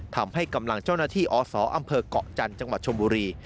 ทำให้กำลังเจ้าหน้าที่อศอำเภอกเกาะจันทร์จังหวัดชมบุรี